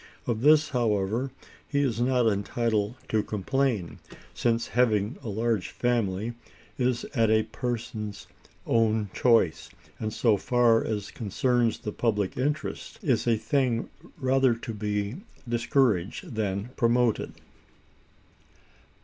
Of this, however, he is not entitled to complain, since having a large family is at a person's own choice; and, so far as concerns the public interest, is a thing rather to be discouraged than promoted.